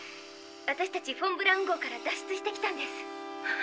私たちフォン・ブラウン号から脱出してきたんです。